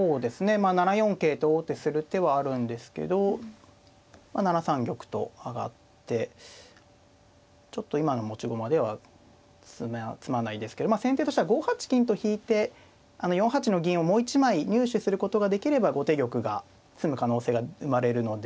まあ７四桂と王手する手はあるんですけど７三玉と上がってちょっと今の持ち駒では詰まないですけど先手としては５八金と引いて４八の銀をもう一枚入手することができれば後手玉が詰む可能性が生まれるので。